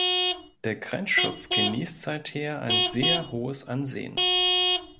Der Grenzschutz genießt seither ein sehr hohes Ansehen.